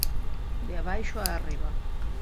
"De abaixo a arriba".